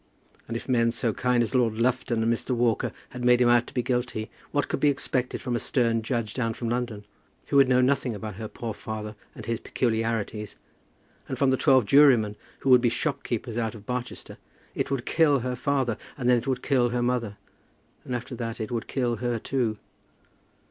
And if men so kind as Lord Lufton and Mr. Walker had made him out to be guilty, what could be expected from a stern judge down from London, who would know nothing about her poor father and his peculiarities, and from twelve jurymen who would be shopkeepers out of Barchester. It would kill her father, and then it would kill her mother; and after that it would kill her also.